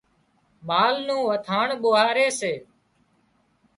مال نُون وٿاڻ ٻوهاري سي